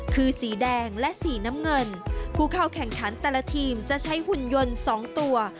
คือสีแดงและสีน้ำเงินผู้เข้าแข่งขันแต่ละทีมจะใช้หุ่นยนต์๒ตัว